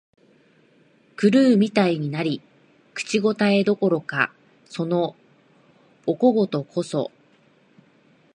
狂うみたいになり、口応えどころか、そのお小言こそ、